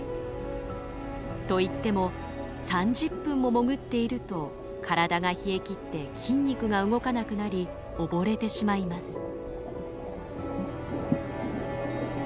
と言っても３０分も潜っていると体が冷え切って筋肉が動かなくなり溺れてしまいます。